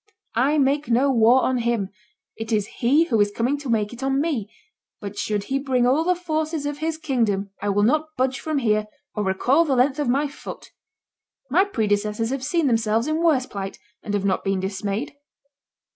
I make no war on him; it is he who is coming to make it on me; but should he bring all the forces of his kingdom I will not budge from here or recoil the length of my foot. My predecessors have seen themselves in worse plight, and have not been dismayed."